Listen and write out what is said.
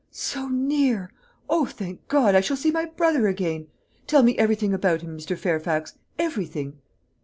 "So near! O, thank God, I shall see my brother again! Tell me everything about him, Mr. Fairfax everything."